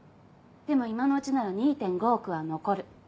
でも今のうちなら２．５億は残る。